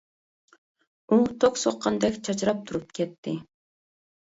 ئۇ توك سوققاندەك چاچراپ تۇرۇپ كەتتى.